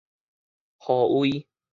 號位